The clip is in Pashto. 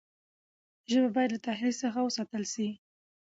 ژبه باید له تحریف څخه وساتل سي.